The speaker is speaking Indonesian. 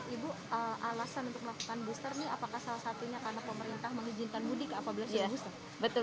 ibu alasan untuk melakukan booster ini apakah salah satunya karena pemerintah mengizinkan budi ke apabila sudah booster